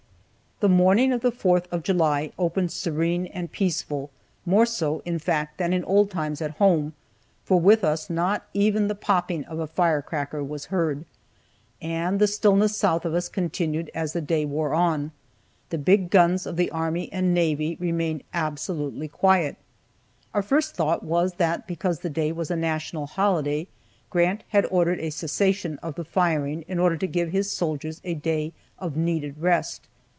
The morning of the Fourth of July opened serene and peaceful, more so, in fact, than in old times at home, for with us not even the popping of a fire cracker was heard. And the stillness south of us continued as the day wore on, the big guns of the army and navy remained absolutely quiet. Our first thought was that because the day was a national holiday, Grant had ordered a cessation of the firing in order to give his soldiers a day of needed rest.